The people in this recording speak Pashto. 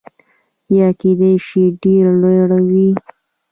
یا کیدای شي ډیر لوی وي.